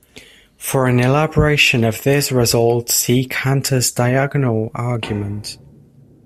For an elaboration of this result see Cantor's diagonal argument.